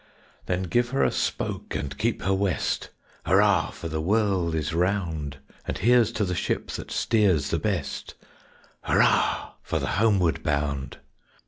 _Then give her a spoke, and keep her west, Hurrah, for the world is round! And here's to the ship that steers the best Hurrah for the homeward bound!